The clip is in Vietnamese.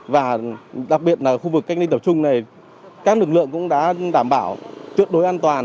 và đặc biệt là khu vực cách ly tập trung này các lực lượng cũng đã đảm bảo tuyệt đối an toàn